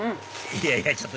いやいやちょっと！